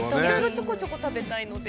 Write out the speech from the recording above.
ちょこちょこ食べたいので。